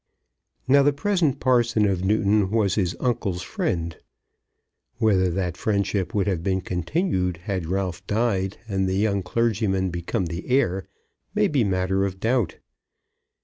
Now the present parson of Newton was his uncle's friend. Whether that friendship would have been continued had Ralph died and the young clergyman become the heir, may be matter of doubt.